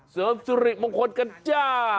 เสิริษฐริกค์มงคลกันจ้า